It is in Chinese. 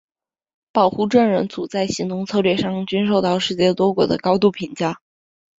保护证人组在行动策略上均受到世界多国的高度评价。